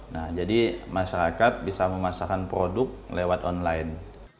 nah jadi masyarakat bisa memasarkan produk lewat online